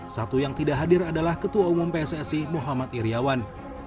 satu yang tidak hadir adalah ketua umum pssi muhammad iryawan